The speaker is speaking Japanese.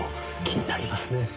気になりますねぇ。